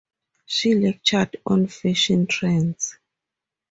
She lectured on fashion trends.